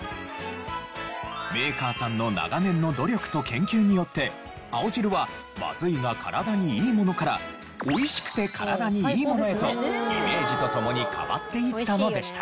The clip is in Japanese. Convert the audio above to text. メーカーさんの長年の努力と研究によって青汁は「まずいが体にいいもの」から「美味しくて体にいいもの」へとイメージと共に変わっていったのでした。